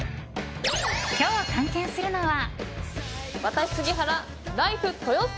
今日、探検するのは。